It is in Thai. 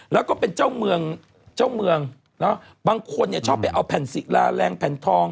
แล้วก็เป็นเจ้าเมืองบางคนชอบไปเอาแผ่นสิราเล็งแผ่นทอง